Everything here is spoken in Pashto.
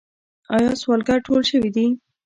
آیا سوالګر ټول شوي دي؟